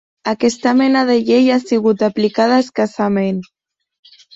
Aquesta mena de llei ha sigut aplicada escassament.